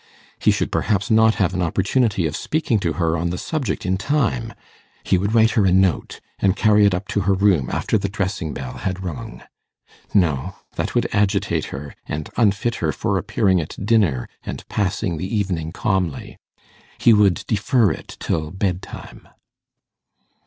He should perhaps not have an opportunity of speaking to her on the subject in time; he would write her a note, and carry it up to her room after the dressing bell had rung. No; that would agitate her, and unfit her for appearing at dinner, and passing the evening calmly. He would defer it till bed time.